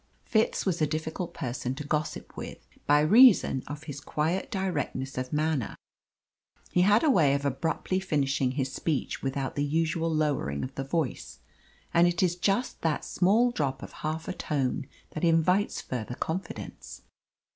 Fitz was a difficult person to gossip with by reason of his quiet directness of manner. He had a way of abruptly finishing his speech without the usual lowering of the voice. And it is just that small drop of half a tone that invites further confidence.